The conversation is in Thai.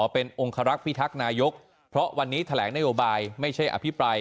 เป็นองคารักษ์พิทักษ์นายกเพราะวันนี้แถลงนโยบายไม่ใช่อภิปราย